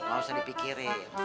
nggak usah dipikirin